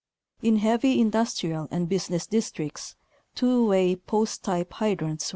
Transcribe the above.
In heavy industrial and business districts two way, post type hy 82 Photo 15.